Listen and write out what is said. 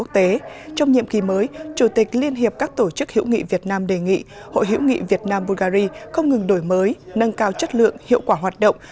trong nhiệm kỳ mới chủ tịch liên hiệp các tổ chức hiểu nghị việt nam đề nghị hội hiểu nghị việt nam bulgari không ngừng đổi mới nâng cao chất lượng hiệu quả hoạt động